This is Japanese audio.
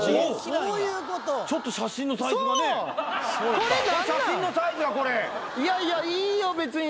ちょっと写真のサイズがね写真のサイズがこれいやいやいいよ